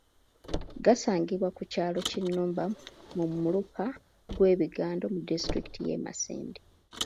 Gasangibwa ku kyalo Kinuba mu muluka gw’e Bigando mu disitulikiti y’e Masindi.